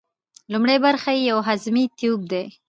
لومړۍ برخه یې یو هضمي تیوپ دی.